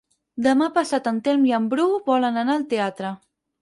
Demà passat en Telm i en Bru volen anar al teatre.